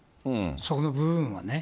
そこの部分はね。